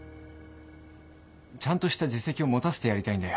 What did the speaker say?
ちゃんとした実績を持たせてやりたいんだよ。